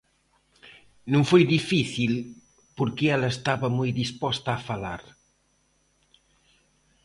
Non foi difícil porque ela estaba moi disposta a falar.